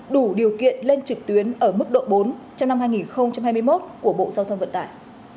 đủ điều kiện lên trực tuyến ở mức độ bốn trong năm hai nghìn hai mươi một của bộ giao thông vận tải